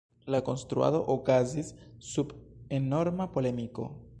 La konstruado okazis sub enorma polemiko.